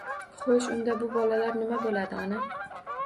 Ho'sh, unda bu bolalar nima bo'ladi, ona?